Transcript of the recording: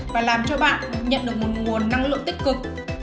và làm cho bạn nhận được một nguồn năng lượng tích cực